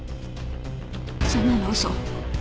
そんなの嘘。